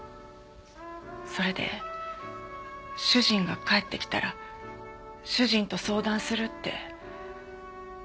それで「主人が帰ってきたら主人と相談する」ってそう。